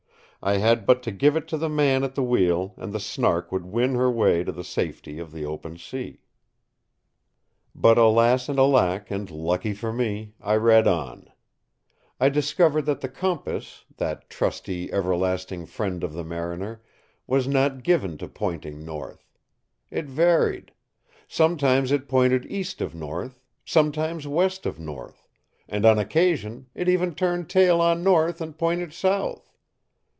I had but to give it to the man at the wheel and the Snark would win her way to the safety of the open sea. But alas and alack and lucky for me, I read on. I discovered that the compass, that trusty, everlasting friend of the mariner, was not given to pointing north. It varied. Sometimes it pointed east of north, sometimes west of north, and on occasion it even turned tail on north and pointed south.